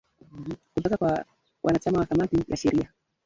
kutoka kwa wanachama wa kamati ya sheria